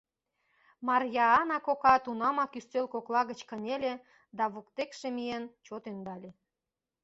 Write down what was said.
Марйаана кока тунамак ӱстел кокла гыч кынеле да воктекше миен, чот ӧндале.